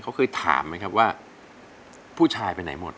เขาเคยถามไหมครับว่าผู้ชายไปไหนหมด